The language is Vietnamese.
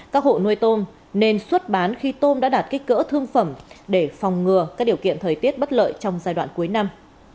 các hộ nuôi tôm nên xuất bán khi tôm đã đạt kích cỡ thương phẩm để phòng ngừa các điều kiện thời tiết bất lợi trong giai đoạn cuối năm